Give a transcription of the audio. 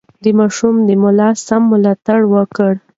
د ماشوم د ملا سم ملاتړ وکړئ.